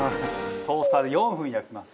トースターで４分焼きます。